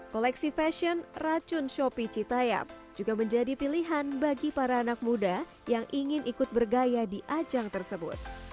koleksi fashion racun shopee citayap juga menjadi pilihan bagi para anak muda yang ingin ikut bergaya di ajang tersebut